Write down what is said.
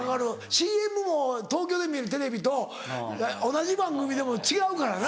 ＣＭも東京で見るテレビと同じ番組でも違うからな。